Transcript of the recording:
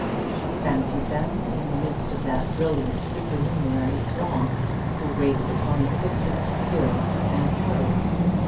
She fancied them in the midst of that brilliant supernumerary throng who wait upon the footsteps of heroes and heroines.